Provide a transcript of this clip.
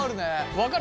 分かる。